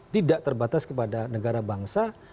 tidak terbatas kepada negara bangsa